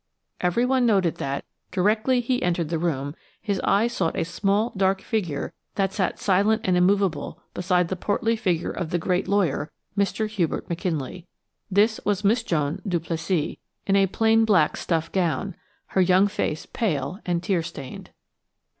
Everyone noted that, directly he entered the room, his eyes sought a small, dark figure that sat silent and immovable beside the portly figure of the great lawyer, Mr. Hubert McKinley. This was Miss Joan Duplessis, in a plain black stuff gown, her young face pale and tear stained.